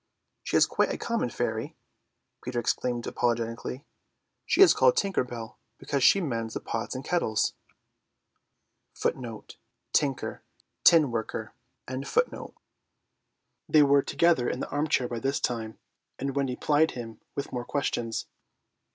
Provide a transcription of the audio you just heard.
"She is quite a common fairy," Peter explained apologetically, "she is called Tinker Bell because she mends the pots and kettles." They were together in the armchair by this time, and Wendy plied him with more questions.